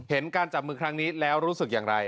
การจับมือครั้งนี้แล้วรู้สึกอย่างไร